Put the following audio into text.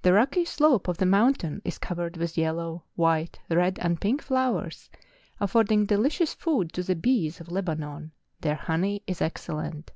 The rocky slope of the mountain is covered witli yellow, white, red, and pink flowers, affording delicious food to the bees of Lebanon: their honey is excellent.